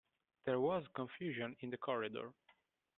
There was confusion in the corridor.